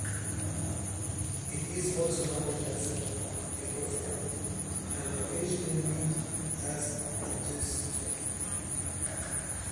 It is also known as epiphora and occasionally as antistrophe.